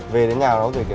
về đến nhà nó rồi kìa